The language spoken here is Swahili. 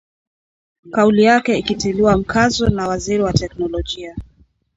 Kauli yake ikitiliwa mkazo na Waziri wa teknologia